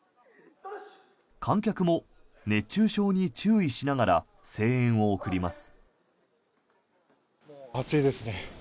観客も熱中症に注意しながら声援を送ります。